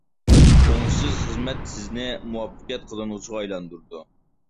ئوڭۇشسىز خىزمەت سىزنى مۇۋەپپەقىيەت قازانغۇچىغا ئايلاندۇرىدۇ.